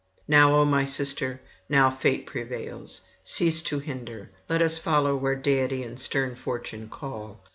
'Now, O my sister, now fate prevails: cease to hinder; let us follow where deity and stern fortune call.